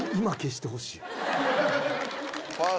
今、消してほしい。